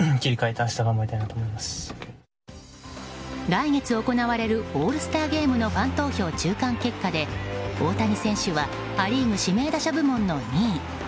来月行われるオールスターゲームのファン投票中間結果で大谷選手はア・リーグ指名打者部門の２位。